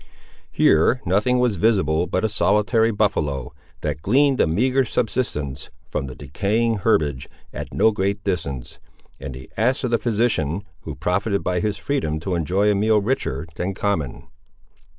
Here nothing was visible but a solitary buffaloe, that gleaned a meagre subsistence from the decaying herbage, at no great distance, and the ass of the physician, who profited by his freedom to enjoy a meal richer than common.